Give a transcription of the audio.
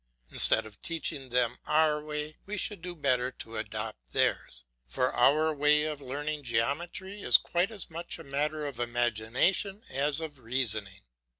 Instead of teaching them our way, we should do better to adopt theirs, for our way of learning geometry is quite as much a matter of imagination as of reasoning.